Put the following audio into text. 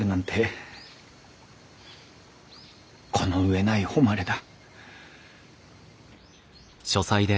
この上ない誉れだ。